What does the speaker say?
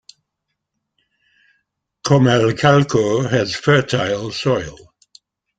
Comalcalco has fertile soil.